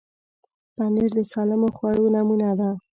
پنېر د سالمو خوړو نمونه ده.